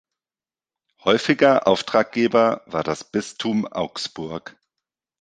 Häufiger Auftraggeber war das Bistum Augsburg.